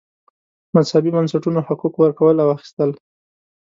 مذهبي بنسټونو حقوق ورکول او اخیستل.